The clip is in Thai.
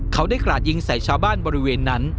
เขาได้กราดยิงใส่ชาวบ้านบริเวณนั้น